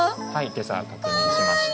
今朝確認しました。